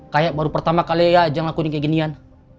kayak baru pertama kali aja ngelakuin kayak ginian